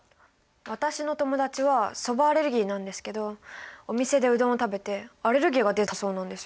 私の友達はそばアレルギーなんですけどお店でうどんを食べてアレルギーが出たそうなんですよ。